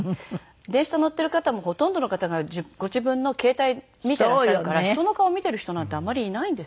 電車に乗ってる方もほとんどの方がご自分の携帯見てらっしゃるから人の顔見てる人なんてあまりいないんですね。